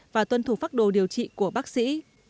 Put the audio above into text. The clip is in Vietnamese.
và tuân thủ phác đồ điều trị của bác sĩ